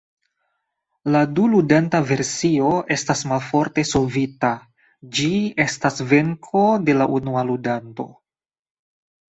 La du-ludanta versio estas malforte solvita; ĝi estas venko de la unua ludanto.